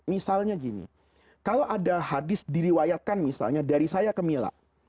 misalnya gini kalau ada hadis diriwayatkan misalnya dari saya ke mila